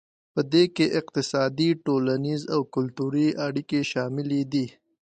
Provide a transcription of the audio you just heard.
پدې کې اقتصادي ټولنیز او کلتوري اړیکې شاملې دي